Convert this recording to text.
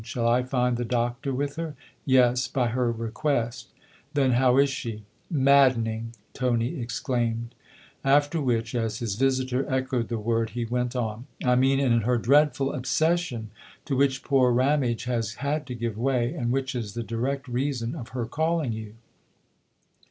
"Shall I find the Doctor with her ?" "Yes, by her request." " Then how is she ?"" Maddening !" Tony exclaimed ; after which, as his visitor echoed the word, he went on : "I mean in her dreadful obsession, to which poor Ramage has had to give way and which is the direct reason of her calling you."